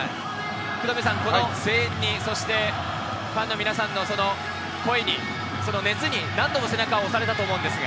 この声援に、ファンの皆さんの声に、熱に何度も背中を押されたと思うんですが。